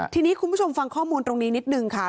ทีนี้คุณผู้ชมฟังข้อมูลตรงนี้นิดนึงค่ะ